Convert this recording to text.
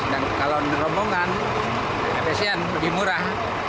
dan kalau ngerombongan vaksin lebih murah